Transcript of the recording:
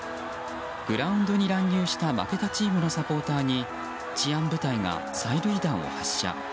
グラウンドに乱入した負けたチームのサポーターに治安部隊が催涙弾を発射。